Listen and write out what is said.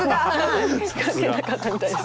関係なかったみたいです。